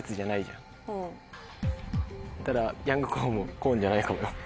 だからヤングコーンもコーンじゃないかもよ。